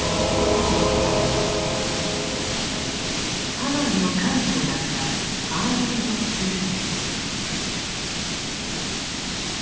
「ハマン」の艦長だったアーノルド・トゥルー。